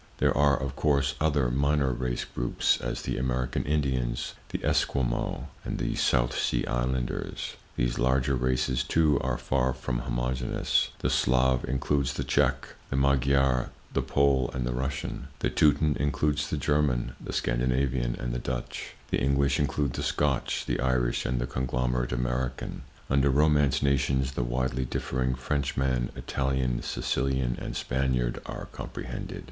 There are, of course, other minor race groups, as the American Indians, the Esquimaux and the South Sea Islanders; these larger races, too, are far from homogeneous; the Slav includes the Czech, the Magyar, the Pole and the Russian; the Teuton includes the German, the Scandinavian and the Dutch; the English include the Scotch, the Irish and the conglomerate American. Under Romance nations the widely differing Frenchman, Italian, Sicilian and Spaniard are comprehended.